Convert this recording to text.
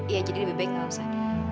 iya jadi lebih baik gak usah